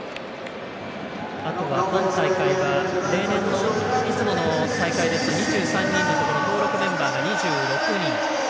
あとは今大会は例年の、いつもの大会ですと２３人のところ登録メンバーが２６人。